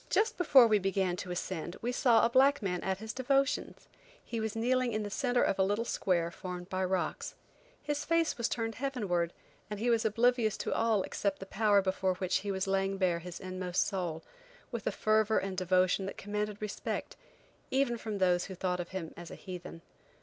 Just before we began to ascend we saw a black man at his devotions. He was kneeling in the centre of a little square formed by rocks. His face was turned heavenward, and he was oblivious to all else except the power before which he was laying bare his inmost soul, with a fervor and devotion that commanded respect, even from those who thought of him as a heathen.